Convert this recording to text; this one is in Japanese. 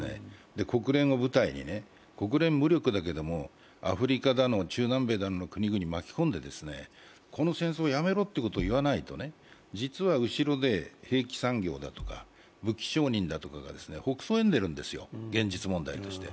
国連を舞台に、国連は無力だけれどもアフリカだとか中南米の国を巻き込んでこの戦争をやめろということを言わないと、実は後ろで兵器産業とか武器商人がほくそ笑んでるんですよ、現実問題として。